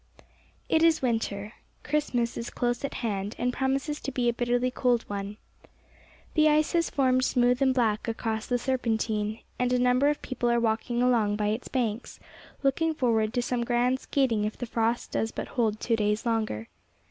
IT is winter. Christmas is close at hand, and promises to be a bitterly cold one. The ice has formed smooth and black across the Serpentine, and a number of people are walking along by its banks, looking forward to some grand skating if the frost does but hold two days longer.